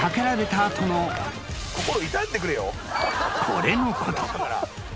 ［これのこと］